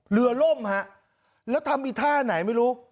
ล่มฮะแล้วทำอีกท่าไหนไม่รู้